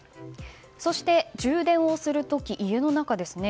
そして、充電をする時家の中ですね。